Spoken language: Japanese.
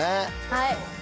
はい。